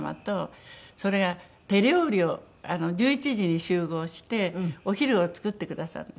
それが手料理を１１時に集合してお昼を作ってくださるんです。